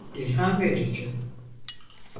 İlham verici.